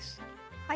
はい。